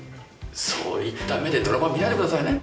そういった目でドラマを見ないでくださいね。